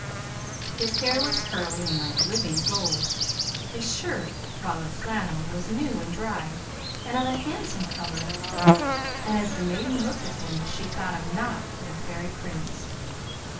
His hair was curly and like living gold. His shirt, white of flannel, was new and dry, and of a handsome color, and as the maiden looked at him she could think of nought but a fairy prince.